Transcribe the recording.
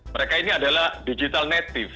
mereka ini adalah digital native